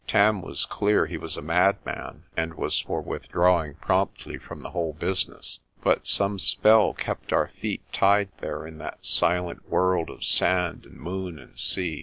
Tarn was clear he was a madman, and was for withdrawing promptly from the whole business. But some spell kept our feet tied there in that silent world of sand and moon and sea.